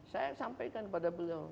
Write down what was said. saya sampaikan pada beliau